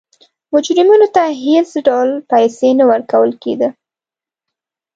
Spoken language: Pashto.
مجرمینو ته هېڅ ډول پیسې نه ورکول کېده.